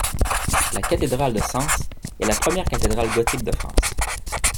La cathédrale de Sens est la première cathédrale gothique de France.